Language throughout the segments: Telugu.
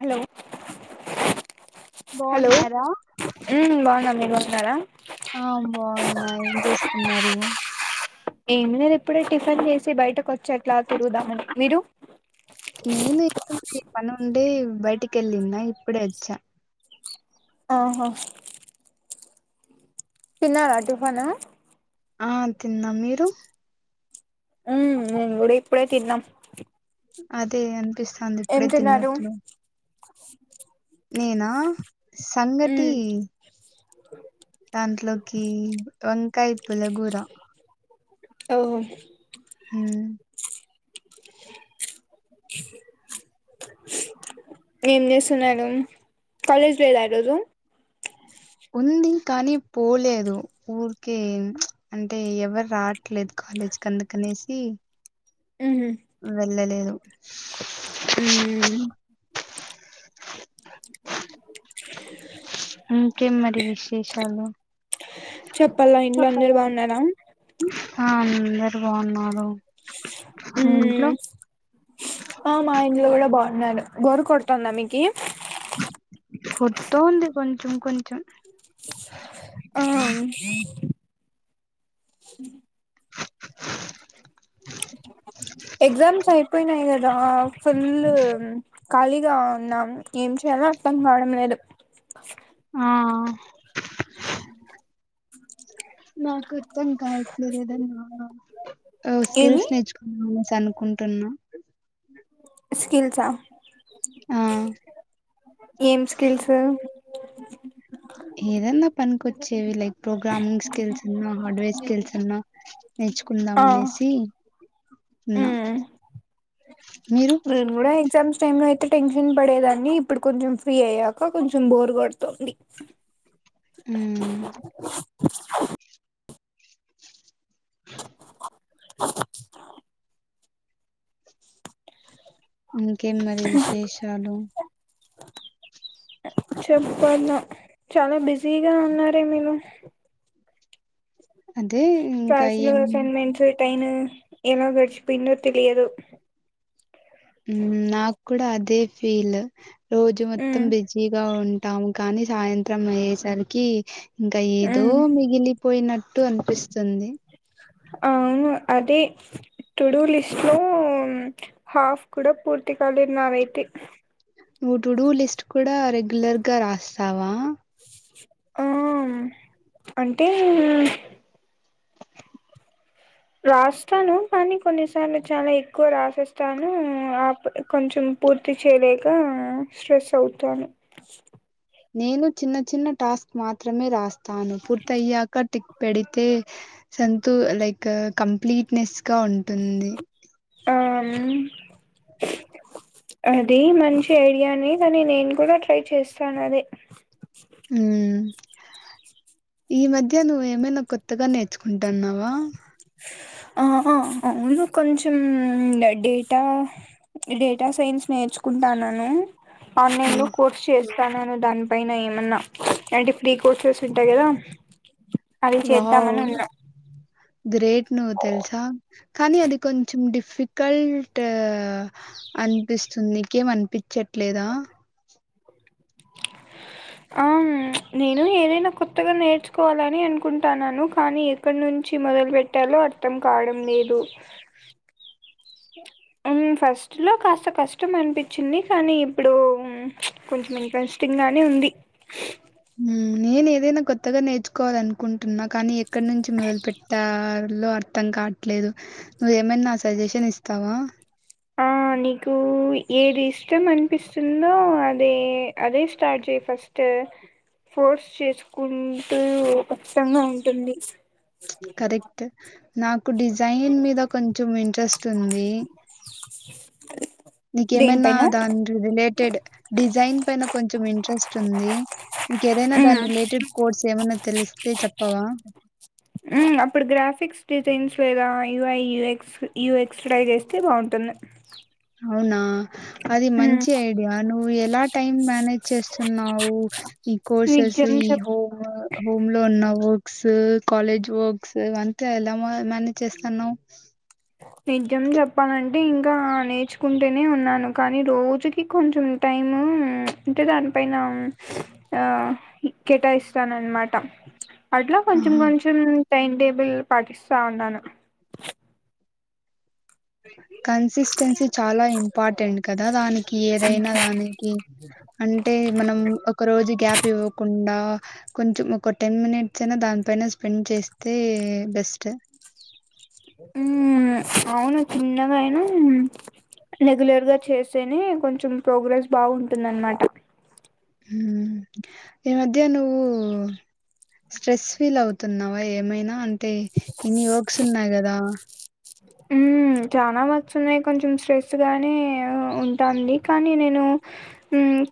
హలో హలో బాగున్నారా బనామి దరం ఆ బాగున్నా ఏం చేస్తున్నారు ఏమి నను ఇప్పుడే టిఫిన్ చేసి బయటకు వచ్చేట్లా తిరుగుదామని మీరు నేను పని ఉండి బయటికి వెళ్ళంద ఇప్పుడే వచ్చా ఆహా చిన్నాల ఫనా ఆ తిన్నా మీరు ఉ నుేం కూడా ఇప్పుడే తిన్నాం అదే అంత కనిపిస్తుంది ఏం ఇప్పుడే తిన్నారు తిన్నట్లు నేనా సంగటి ఉమ్ దాంట్లోకి వంకాయత్లగూర ఓహో హ ఏం చేస్తున్నాడం కాలేజ్ ేళ్ద ఇరోదు ఉందిం కానీ పోలేదు ఊరికే అంటే ఎవరు రావట్లేదు కాలేజ్ కందకనేసి వెల లే ే ఉ కం మరి విశేషాలు చెప్పాలా ఇంట్లో అందరు బాగున్నారా అందరుగాా ఉన్నారు ఉ ఆ మా ఇంట్లో కూడా బాగున్నారును గోరు కొడతాంద మీకి ఫుటు ఉంది కొంచెం కొంచెం ఆఆ ఉహ ఎగ్జామ్స్ అయిపోయినాయి గా ద ఫుల్ ఖాళీగా ఉన్నాం ఏం చేయాలో అర్థం కావడం లేదు ఆ సింగ్ నాకు అర్థం కావట్లేదు ఏదన్నా ఏమి స్కిల్స్ నేర్చుకుంద అనేసి అనుకుంటున్నా నే స్టిల్స్ ఆ ఏం స్కిల్స్ ఉ న ఏదన్నా పని వస్తే చ్చేవిలైక్ ప్రోగ్రామింగ్ స్కిల్స్ ఉన్నా హార్డ్వేర్ స్కిల్స్ ఉన్న నేర్చుకుందాం ఆ అనేసి ఉన్నా ఉమ్ మీరు నేను కూడా ఎగ్జామ్స్ టైం లో అయితే టెన్షన్ పడేదాన్ని ఇప్పుడు కొంచెం ఫ్రీ అయ్యా సో కొంచెం బోర్ కొడుతుంది ఉ ఉ చ చి ఛే చు ఇంకేం మరి విశేషాలు చెప్పల చాలా బిజీగా ఉన్నారే మీరు అదే ఇంకా ఏం టైను ఎలా గడిచిపోయిందో తెలియదు హ్మ్ నాకు కూడా అదే ఫీల్ రోజు మొత్తం ఉమ్ బిజీగా ఉన్ టాం కానీ సాయంత్రం అయ్యేసరికి ఇంకా ఏదో ఉమ్ మిగిలి పోయినట్టు అనిపిస్తుంది అవును అదే టుడూ లిస్ట్ లో హాఫ్ కూడా పూర్తి కాలేదు నావైతే నువ్ టుడు లిస్ట్ కూడా రెగ్యులర్ గా రాస్తావా ఆ అంటే రాస్తాను కానీ కొన్నిసార్లు చాలా ఎక్కువ రాసేస్తాను ఆ కొంచెం పూర్తి చేయలేక స్ట్రెస్ అవుతాను నేను చిన్న చిన్న టాస్క్ మాత్రమే రాస్తాను పూర్తి అయ్యాక టిక్ పెడితే సంతు లైక్ కంప్లీట్నెస్ గా ఉంటుంది ఆ హ్మ్ అది మంచి ఐడియానే కాని నేను కూడా ట్రై చేస్తాను అదే హ్మ్ ఈ మధ్య నువ్వు ఏమైనా కొత్తగా నేర్చుకుంటున్నావా ఆహా అవును కొంచెం డేటా డేటా సైన్స్ నేర్చుకుంటాన్నాను ఆ ఆన్లైన్ లో కార్స్ చెస్ తనను దాని పన ఏమన్నా ఏంటి ఫ్రీ కోర్సెస్ ఉంటాయి కదా అవి వావ్ చేద్దామని ఉన్నా గ్రేట్ నువ్ తెలుసా కానీ అది కొంచెం డిఫికల్ట్ అనిపిస్తుంది నీకేం అనిపించట్లేదా ఆ నేను ఏదైనా కొత్తగా నేర్చుకోవాలని అనుకుంటున్నాను కానీ ఎక్కడి నుంచి మొదలు పెట్టాలో అర్థం కావడం లేదు హ్మ్ ఫస్ట్ లో కాస్త కష్టం అనిపించింది కానీ ఇప్పుడు కొంచెం ఇంట్రెస్టింగ్ గానే ఉంది హ్మ్ నేను ఏదైనా కొత్తగా నేర్చుకోవాల అనుకుంటున్నా కానీ ఎక్కడి నుంచి మొదలు పెట్టాలో అర్థం కావట్లేదు నువ్వుమైనా సజెషన్ ఇస్తావా ఆ నీకు ఏది ఇష్టం అనిపిస్తుందో అదే అదే స్టార్ట్ చెయ్ ఫస్ట్ ఫోర్స్ చేసుకుంటూ కష్టంగా ఉంటుంది కరెక్ట్ నాకు డిజైన్ మీద కొంచెం ఇంట్రెస్ట్ ఉంది నీకేమైనా దేనిపైన దాని రిలేటెడ్ డిజైన్ పైన కొంచెం ఇంట్రెస్ట్ ఉంది నీక ఏదైనా మ్మ్. దాని రిలేటెడ్ కోర్స్ ఏమైనా తెలిస్తే చెప్పవా హ్మ్ అప్పుడు గ్రాఫ్ ఫిక్స్ డిజైన్స్ లేేదా U I U X you ఎక్స్డై చేస్ తే బాగుంటుంది అవునా అది ఉమ్, మంచి ఐడియా నువ్వు ఎలా టైం మేనేజ్ చేస్తున్నావు ఈ కోర్సెస్ నిజం ఈ చెప్ హోమ్ హోమ్ లో ఉన్నావు క్ సు కాలేజ్ వర్క్స్ అవంతా ఎలా మేనేజ్ చేస్తాన్నా నిజం చెప్పాలంటే ఇంకా నేర్చుకుంటేనే ఉన్నాను కానీ రోజుకి కొంచెం టైము అంటే దానిపైన ఆ కేటాయిస్తాన అనమాట అట్లా కొంచెం ఆహా కొంచెం టైమ్ టేబుల్ పాటిస్తా ఉన్నాను నువ్వేనా కన్సిస్టెన్సీ చాలా ఇంపార్టెంట్ కదా దానికి ఏదైనా దానికి అంటే మనం ఒక రోజు గ్యాప్ ఇవ్వకుండా కొంచం ఒక టెన్ మినిట్స్ అయినా దానిపైన స్పెండ్ చేస్తే బెస్ట్ ఉ అవును చిన్నగా అయినా రెగ్యులర్గా చేస్తేనే కొంచెం ప్రోగ్రెస్ బాగుంటుంద అనమాట ఈ మధ్య నువ్వు స్ట్రెస్ ఫీల్ అవుతున్నావా ఏమైనా అంటే అంతే ఇన్ని హోప్స్ ఉన్నాయి గదా ఉ చాలా వస్తున్నాయి కొంచెం స్ట్రెస్ గానే ఉంటుంది కానీ నేను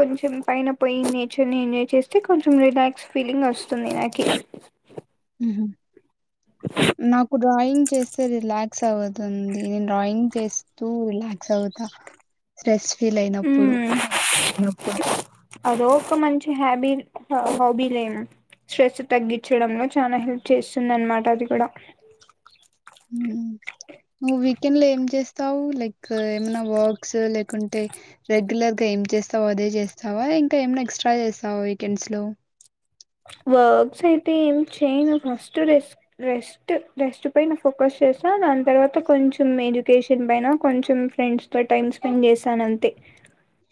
కొంచెం పైన పోయి నేచర్ ని ఎంజాయ్ చేస్తే కొంచెం రిలాక్స్ ఫీలింగ్ వస్తుంది నాకు ఉహ నాకు డ్రాయింగ్ డ్రాయింగ్ రిలాక్ అతుంది నే డ్రాయింగ్ చేస్తూ రిలాక్స్ అవుతా వీలయినప్పుడు హ్మ్. అదో ఒక మంచి హ్యాబీ హాబీ లేము స్ట్రెస్ తగ్గించడంలో చాలా హెల్ప్ చేస్తుంది అనమాట అది కూడా హ్మ్. నువ్వు వీకెండ్‌లో ఏం లైక్ ఏమనా వర్క్స్ లేకుంటే రెగ్యులర్ గా ఏం చేస్తావా అదే చేస్తావా ఇంకా ఏమనా ఎక్స్ట్రా చేస్తావా వీకెండ్స్ లో వర్క్స్ అయితే ఏం చేయను ఫస్ట్ రెస్ రెస్ట్ రెస్ట్ పైన ఫోకస్ చేస్తాను దాని తర్వాత కొంచెం ఎడ్యుకేషన్ పైన కొంచెం ఫ్రెండ్స్తో టైం స్పెండ్ చేశాను అంతే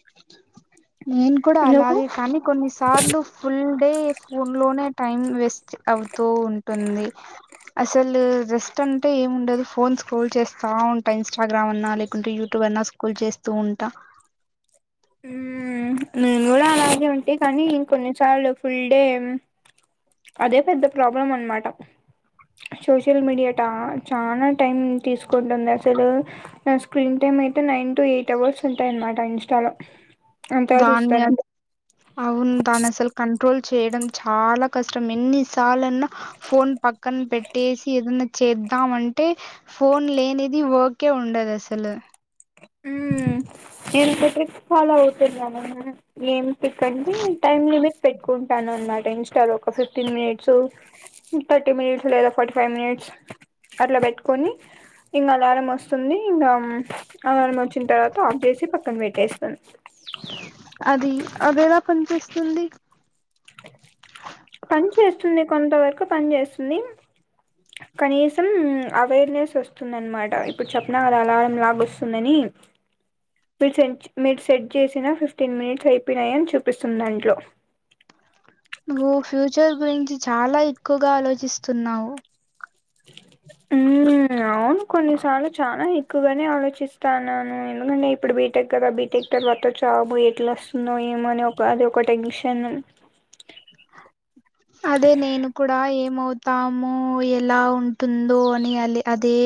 డోర్ సౌండ్ నేను కూడా అలాగే కానీ కొన్నిసార్లు ఫుల్ డే ఫోన్ లోనే టైం వేస్ట్ అవుతూ ఉంటుంది అసలు రెస్ట్ అంటే ఏండదు ఫోన్ స్క్రోల్ చేస్తా ఉంటా ఇంస్టాగ్రామ్ అన్నా లేకుంటే యూట్యూబ్ అన్నా స్క్రోల్ చేస్తూ ఉంటా ఉ నేను కూడా అలాగే ఉంటే కానీ కొన్నిసార్లు ఫుల్ డే అదే పెద్ద ప్రాబ్లం అనమాట సోషల్ మీడియాట చాలా టైం తీసుకుంటుంది అసలు స్క్రీన్ టైమ్ అయితే నైన్ టు ఎయిట్ అవర్స్ ఉంటాయనమాట ఇన్స్టాలో అంతగా దాన్ని చూస్తాను అవును అసలు కంట్రోల్ కంట్రోల్ చేయడం చాలా కష్టం ఎన్నిసార్లు ఫోన్ పక్కన పెట్టేసి ఏదన్నా చేద్దామంటే ఫోన్ లేనిది ఓకే ఉండదు అసలు నేను ట్రిక్స్ ఫాలో అవుతున్నామ్ ఏం ఏంటండీ టైం లిమిట్ పెట్టుకోండి పెట్టుకుంటా అనమాట ఇన్స్టార్ ఒక ఫిఫ్టీన్ మినిట్స్ థర్టీ మినిట్స్ లేదా ఫార్టీ ఫైవ్ మినిట్స్ అట్లా పెట్టుకొని ఇంకా అలారం వస్తుంది ఇంకా అలారం వచ్చిన తర్వాత ఆఫ్ చేసి పక్కన పెట్టేస్తాను అది అదేలా పనిచేస్తుంది పని చేస్తుంది కొంత వరకు పని చేస్తుంది కనీసం అవేర్నెస్ వస్తుంది అనమాట ఇప్పుడు చెప్పిన కదా అలారం లాగ వస్తుందని మీరు సెట్ మీరు సెట్ చేసిన ఫిఫ్టీన్ మినిట్స్ అయిపోయినాయని చూపిస్తుంది దాంట్లో నువ్వు ఫ్యూచర్ గురించి చాలా ఎక్కువగా ఆలోచిస్తున్నావు ఉ అవును కొన్నిసార్లు చాలా ఎక్కువగానే ఆలోచిస్తాన్నాను ఎందుకంటే ఇప్పుడు బీటెక్ కథ బీటెక్ తర్వాత జాబ్ ఎట్లా వస్తుందో ఏమోని ఒక అది ఒక టెన్షన్ అదే నేను కూడా ఏ మ్ అవుతాము ఎలా ఉంటుందో అని అ అదే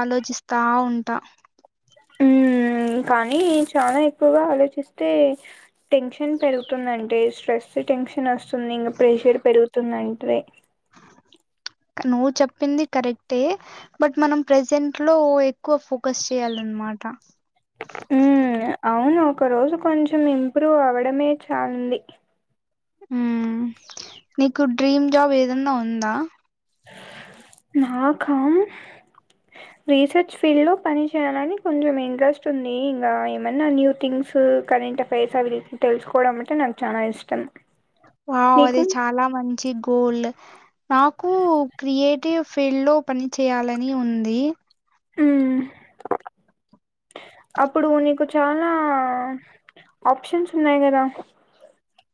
ఆలోచిస్తా ఉంటా ఉ కానీ చాలా ఎక్కువగా ఆలోచిస్తే టెన్షన్ పెరుగుతుందింటే స్ట్రెస్ టెన్షన్ వస్తు వస్తుంది ప్రెషర్ పెరుగుతుంది వస్తుందంటే నువ్వు చెప్పింది కరెక్టే బట్ మనం ప్రజెంట్ లో ఎక్కువ ఫోకస్ చేయాలన్నమాట ఉమ్ అవును ఒక రోజు కొంచెం ఇంప్రూవ్ అవ్వడమే చాలా ఉంది ఉ నీకు డ్రీమ్ జాబ్ ఏదన్నా ఉందా నాకా రీసెర్చ్ ఫీల్డ్ లో పని చేయాలనికి కొంచెం ఇంట్రెస్ట్ ఉంది ఇంకా ఏమన్నా న్యూ థింగ్స్ కరెంట్ అఫైర్స్ అవి తెలుసుకోవడం అంటే నాకు చాలా ఇష్టం వాఓ అదే నీకు చాలా మంది చ్చి గోల్ నాకు క్రియేట్ ఫీల్డ్ లో పని చేయాలని ఉంది హ అప్పుడు నీకు చాలా ఆప్షన్స్ ఉన్నాయి్ కదా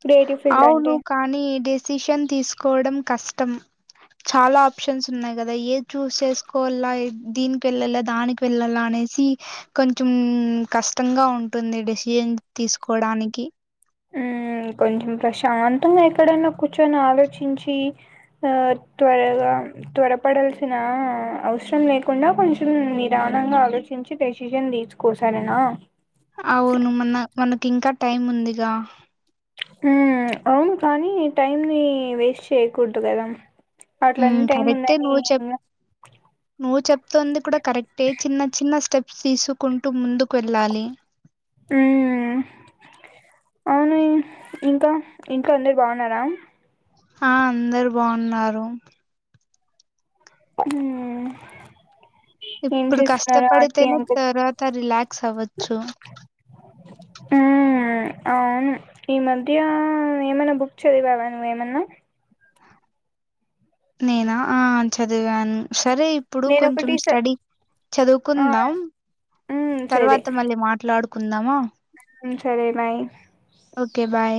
క్రియేటివ్ ఫీల్డ్ అవును అంటే కానీ డేస్ డెసిషన్ తీసుకోవడం కష్టం చాలా ఆప్షన్స్ ఉన్నాయి కదా ఏ చూస్్ చేసుకోవాలా దీనికి వెళ్ళలా దానికి వెళ్ళాల అనేసి కొంచెం కష్టంగా ఉంటుంది డెసిజన్ తీసుకోడానికి ఉ కొంచెం ప్రశాంతంగా ఎక్కడన్నా కూర్చొని ఆలోచించి ఆ త్వరగా త్వరపడాల్సిన అవసరం లేకుండా కొంచెం నిదానంగా ఆలోచించి డెసిషన్ తీసుకోసారేనా అవును మన మనకి ఇంకా టైం ఉందిగా అవును కానీ టైమ్ ని వేస్ట్ చేయ్యకూడదు కదా అట్ల అన్ని హ్మ్. టైం కరెక్టే ఉందని సంది కూడా కరెక్టే చిన్న చిన్న స్టెప్ తీసుకుంటూ ముందుకు వెళ్ళాలి హ అవును ఇంకా ఇంకా అందరు బాగున్నారా ఆ అందరు బాగున్నారు ఉ ఇప్పుడు కష్టపడితేనే తర్వాత రిలాక్స్ అవ్వచ్చు అవును ఈ మధ్య ఏమైనా బుక్ చదివాావా నువ్వేమన్నా నేనా ఆ చదివాను సరే ఇప్పుడు కొంచెం నేనొకటి స స్టడీ ఆ చదువుకుందాం తర్వాత మళ్ళీ మాట్లాడుకు కుందామా ఉ సరే బాయ్ ఓకే. బాయ్.